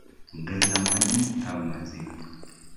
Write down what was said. Ongeza maji au maziwa